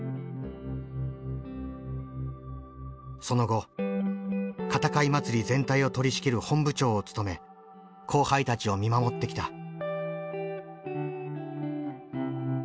その後片貝まつり全体を取りしきる本部長を務め後輩たちを見守ってきた。